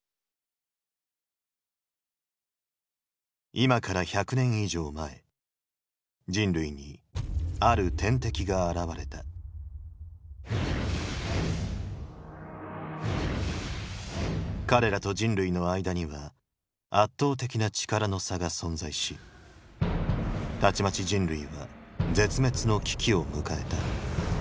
今から１００年以上前人類にある天敵が現れた彼らと人類の間には圧倒的な力の差が存在したちまち人類は絶滅の危機を迎えた